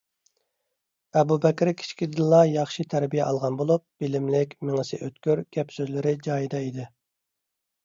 ئەبۇ بەكرى كىچىكىدىنلا ياخشى تەربىيە ئالغان بولۇپ، بىلىملىك، مېڭىسى ئۆتكۈر، گەپ-سۆزلىرى جايىدا ئىدى.